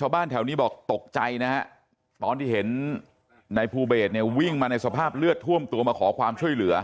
ชาวบ้านแถวนี้บอกตกใจนะฮะตอนที่เห็นนายภูเบสเนี่ยวิ่งมาในสภาพเลือดท่วมตัวมาขอความช่วยเหลือ